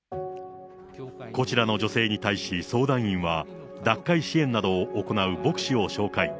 こちらの女性に対し、相談員は、脱会支援などを行う牧師を紹介。